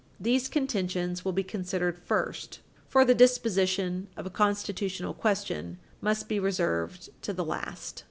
These contentions will be considered first, for the disposition of a constitutional question must be reserved to the last.